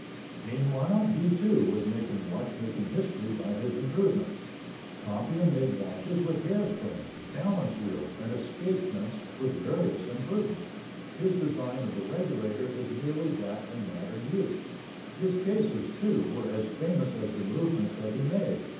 Meanwhile, he, too, was making watchmaking history by his improvements. Tompion made watches with hair springs, balance wheels and escapements with various improvements. His design of the regulator is nearly that in modern use. His cases, too, were as famous as the movements that he made.